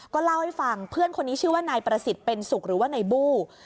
ก็เล่าให้ฟังเพื่อนคนนี้ชื่อว่านายประสิทธิ์เป็นสุขหรือว่านายบู้